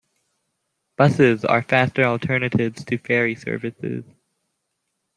Buses are faster alternatives to ferry services.